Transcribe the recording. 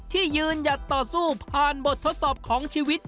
ที่ยืนยัดต่อสู้พาร์นบททศพของชีวิต